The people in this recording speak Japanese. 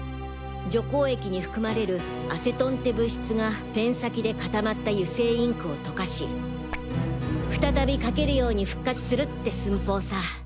除光液に含まれるアセトンって物質がペン先で固まった油性インクを溶かし再び書けるように復活するって寸法さ！